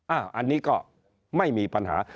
อันนี้ก็ไม่มีปัญหา